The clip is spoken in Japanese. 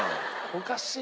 おかしいな。